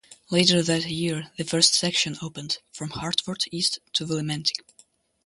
Later that year the first section opened, from Hartford east to Willimantic.